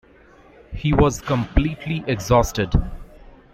He was completely exhausted.